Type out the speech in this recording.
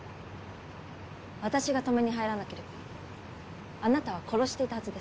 私が止めに入らなければあなたは殺していたはずです。